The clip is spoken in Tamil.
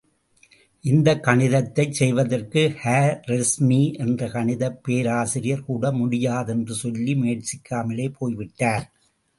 இந்தக் கணிதத்தைச் செய்வதற்கு காரெஸ்மி என்ற கணிதப் பேராசிரியர் கூட முடியாதென்று சொல்லி முயற்சிக்காமலே போய்விட்டார்.